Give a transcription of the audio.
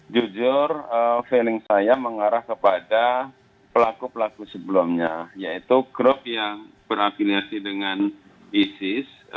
jujur feeling saya mengarah kepada pelaku pelaku sebelumnya yaitu grup yang berafiliasi dengan isis